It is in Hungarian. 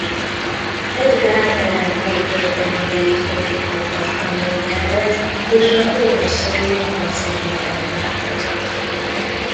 Edgar Allan Poe költeményeit fordította spanyol nyelvre és a róla szóló klasszikus tanulmányokat.